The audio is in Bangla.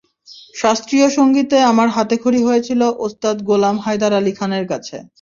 শাস্ত্রীয় সংগীতে আমার হাতেখড়ি হয়েছিল ওস্তাদ গোলাম হায়দার আলী খানের কাছে।